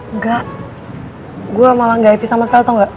engga gue malah gak happy sama sekali tau gak